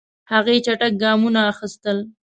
هغې چټک ګامونه اخیستل.